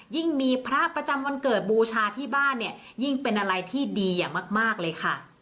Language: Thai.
ยิ่งมีพระประจำวันเกิดบูชาที่บ้านเนี่ยยิ่งเป็นอะไรที่ดีอย่างมากเลยค่ะ